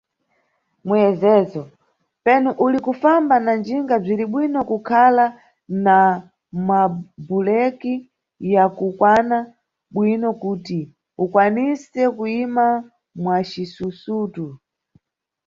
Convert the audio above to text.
Muyezezo: Penu uli kufamba na njinga bziribwino kukhala na mabhuleki ya kukwana bwino kuti ukwanise kuyima mwa cisusutu.